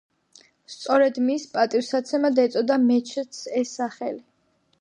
სწორედ მის პატივსაცემად ეწოდა მეჩეთს ეს სახელი.